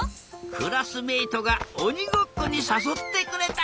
クラスメートがおにごっこにさそってくれた。